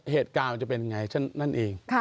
เหตุการณ์มันจะเป็นอย่างไรเช่นนั่นเอง